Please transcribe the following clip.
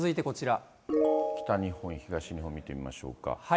北日本、東日本見てみましょうか。